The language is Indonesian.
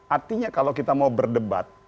artinya kalau kita mau berdebat